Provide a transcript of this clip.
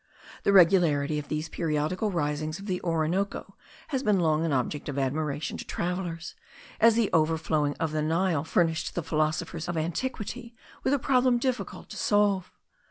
The regularity of these periodical risings of the Orinoco has been long an object of admiration to travellers, as the overflowings of the Nile furnished the philosophers of antiquity with a problem difficult to solve.